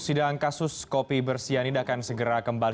sidang kasus kopi bersih yang tidak akan segera kembali